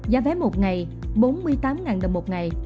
giá vé một ngày bốn mươi tám đồng một ngày